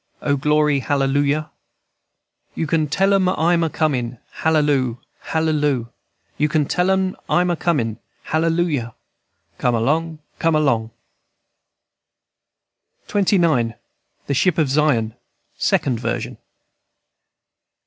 O, glory, hallelujah! &c. "You can tell 'em I'm a comin', Halleloo! Halleloo! You can tell 'em I'm a comin', Hallelujah! Come along, come along," &c. XXIX. THE SHIP OF ZION. _(Second version.)